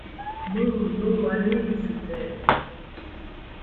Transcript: Non, non, allez !... feit-elle.